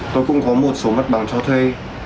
tôi cũng có một số mặt bằng cho thuê